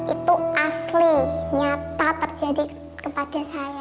itu asli nyata terjadi kepada saya